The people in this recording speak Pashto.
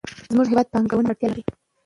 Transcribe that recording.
زموږ هېواد پانګونې ته اړتیا لري.